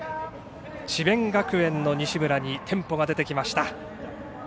智弁学園の西村にテンポが出てきました。